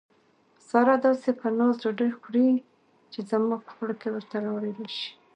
ساره داسې په ناز ډوډۍ خوري، چې زما په خوله کې ورته لاړې راشي.